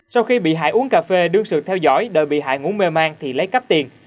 sau khi bị hại uống cà phê đương sự theo dõi đợi bị hại ngủ mê man thì lấy cắp tiền